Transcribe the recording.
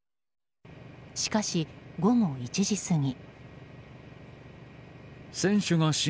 しかし、午後１時過ぎ。